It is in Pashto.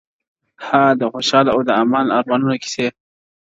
ها د خوشحال او د امان د ارمانونو کیسې،